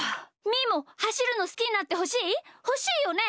みーもはしるのすきになってほしい？ほしいよね！？